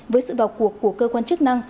với sự vào cuộc của cơ quan chức năng